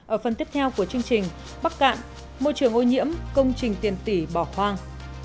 ở phần tiếp theo của chương trình bắc cạn môi trường ô nhiễm công trình tiền tỷ bỏ khoang